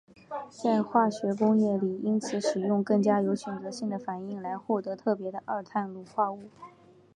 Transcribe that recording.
在化学工业里因此使用更加有选择性的反应来获得特别的二碳卤化物。